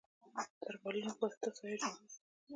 د تر پالونو په وسطه سایه جوړه وه.